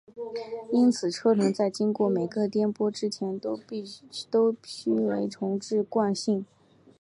因此车轮在经过每个颠簸之前都须被重置惯性。